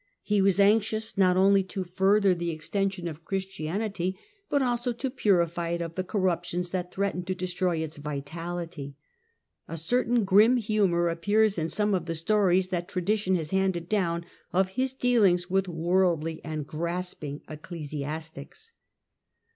He was anxious not only to further the extension of Christianity but also to purify it of the corruptions that threatened to destroy its vitality. A certain grim humour appears in some of the stories that tradition has handed down of his dealings with worldly and grasping ecclesiastics.